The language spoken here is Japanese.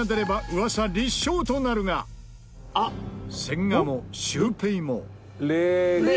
千賀もシュウペイも。